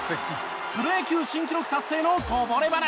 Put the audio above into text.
プロ野球新記録達成のこぼれ話。